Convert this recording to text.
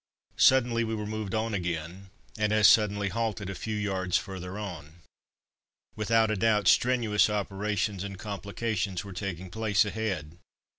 Suddenly we were moved on again, and as suddenly halted a few yards further on. Without a doubt, strenuous operations and complications were taking place ahead.